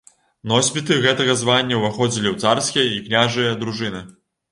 Носьбіты гэтага звання ўваходзілі ў царскія і княжыя дружыны.